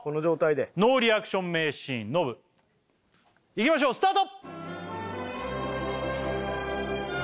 ノーリアクション名シーンノブいきましょうスタート！